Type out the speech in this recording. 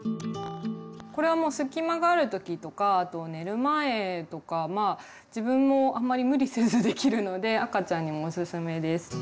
これはもう隙間がある時とかあと寝る前とか自分もあんまり無理せずできるので赤ちゃんにもおすすめです。